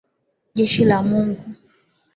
Jeshi la Mungu.